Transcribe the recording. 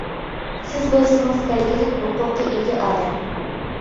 سىز بولسىڭىز بەلگىلىك ھوقۇققا ئىگە ئادەم.